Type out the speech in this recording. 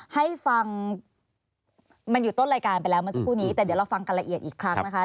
ให้ฟังมันอยู่ต้นรายการไปแล้วเมื่อสักครู่นี้แต่เดี๋ยวเราฟังกันละเอียดอีกครั้งนะคะ